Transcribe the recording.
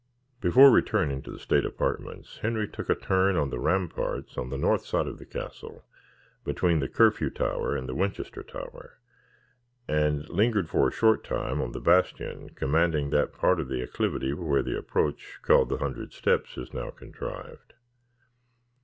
Before returning to the state apartments, Henry took a turn on the ramparts on the north side of the castle, between the Curfew Tower and the Winchester Tower, and lingered for a short time on the bastion commanding that part of the acclivity where the approach, called the Hundred Steps, is now contrived.